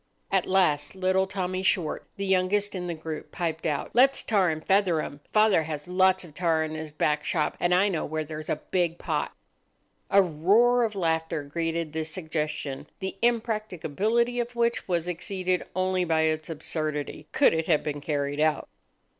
At last little Tommy Short, the youngest in the group, piped out,— "Let's tar and feather 'em. Father has lots of tar in his back shop, and I know where there's a big pot." A roar of laughter greeted this suggestion, the impracticability of which was exceeded only by its absurdity, could it have been carried out.